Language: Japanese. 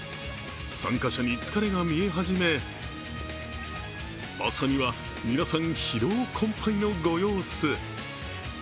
参加者に疲れが見え始め朝には皆さん、疲労困ぱいのご様子。